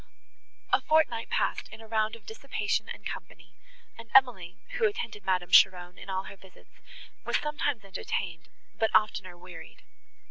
A fortnight passed in a round of dissipation and company, and Emily, who attended Madame Cheron in all her visits, was sometimes entertained, but oftener wearied.